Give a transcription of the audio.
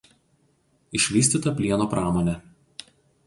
Išvystyta plieno pramonė.